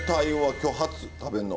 今日初食べんの。